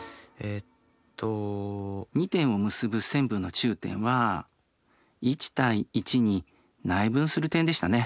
２点を結ぶ線分の中点は１対１に内分する点でしたね。